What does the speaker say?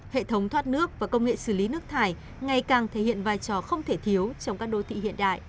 hệ thống thoát nước và công nghệ xử lý nước thải ngày càng thể hiện vai trò không thể thiếu trong các đô thị hiện đại